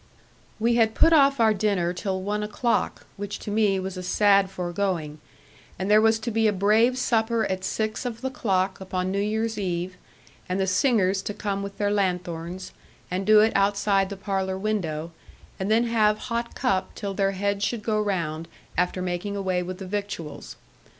We had put off our dinner till one o'clock (which to me was a sad foregoing), and there was to be a brave supper at six of the clock, upon New Year's eve; and the singers to come with their lanthorns, and do it outside the parlour window, and then have hot cup till their heads should go round, after making away with the victuals.